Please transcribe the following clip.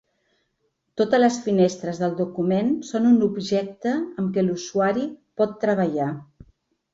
Totes les finestres del document són un objecte amb què l'usuari pot treballar.